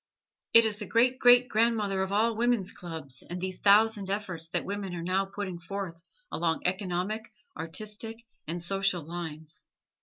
It is the great great grandmother of all woman's clubs and these thousand efforts that women are now putting forth along economic, artistic and social lines.